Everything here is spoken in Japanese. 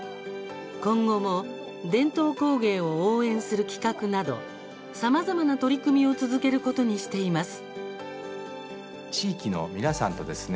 今後も、伝統工芸を応援する企画など、さまざまな取り組みを続けることにしています。